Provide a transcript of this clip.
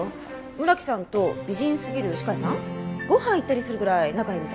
村木さんと美人すぎる歯科医さんご飯行ったりするぐらい仲いいみたいで。